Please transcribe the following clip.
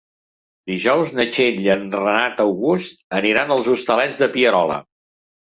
Dijous na Txell i en Renat August aniran als Hostalets de Pierola.